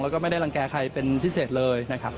แล้วก็ไม่ได้รังแก่ใครเป็นพิเศษเลยนะครับ